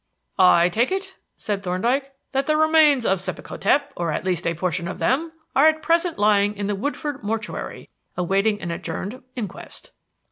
"I take it," said Thorndyke, "that the remains of Sebek hotep, or at least a portion of them, are at present lying in the Woodford mortuary awaiting an adjourned inquest."